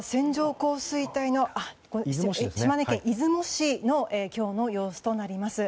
島根県出雲市の今日の様子となります。